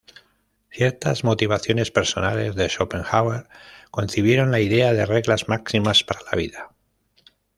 Ciertas motivaciones personales de Schopenhauer concibieron la idea de reglas máximas para la vida.